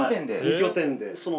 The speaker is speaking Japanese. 二拠点で。